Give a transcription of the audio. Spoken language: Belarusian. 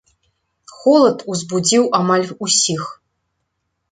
Холад узбудзіў амаль усіх.